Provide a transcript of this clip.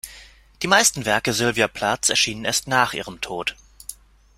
Die meisten Werke Sylvia Plaths erschienen erst nach ihrem Tod.